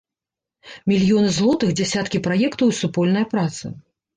Мільёны злотых, дзясяткі праектаў і супольная праца.